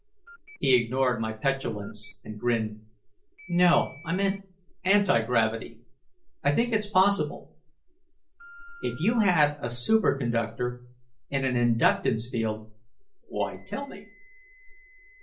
He ignored my petulance and grinned. "No, I meant anti gravity. I think it's possible. If you had a superconductor in an inductance field " "Why tell me?"